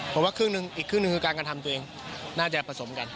ผมว่าครึ่งหนึ่งอีกครึ่งหนึ่งคือการกระทำตัวเองน่าจะผสมกัน